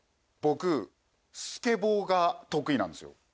僕スケボーが得意なんですよ。